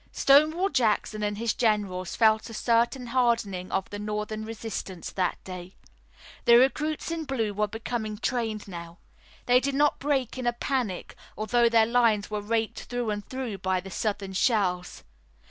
Stonewall Jackson and his generals felt a certain hardening of the Northern resistance that day. The recruits in blue were becoming trained now. They did not break in a panic, although their lines were raked through and through by the Southern shells.